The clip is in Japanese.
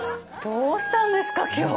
どうしたんですか今日！